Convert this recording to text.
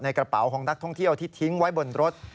กระเป๋าของนักท่องเที่ยวที่ทิ้งไว้บนรถ